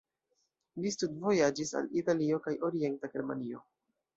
Li studvojaĝis al Italio kaj Orienta Germanio.